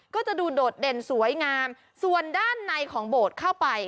ก็จะดูโดดเด่นสวยงามส่วนด้านในของโบสถ์เข้าไป